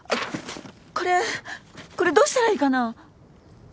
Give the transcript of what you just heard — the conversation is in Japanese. これこれどうしたらいいかな！？